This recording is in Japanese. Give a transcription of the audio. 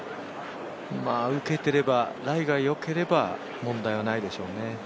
受けてれば、ライがよければ問題ないでしょうね。